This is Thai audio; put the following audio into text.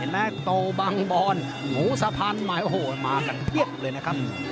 และโตบังบอนหมูสะพานมากันเพียบเลยนะครับ